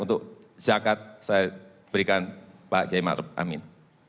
jadi zakat saya berikan pak jai ma'ruf amin